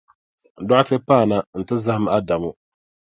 Dɔɣite paana nti zahim Adamu.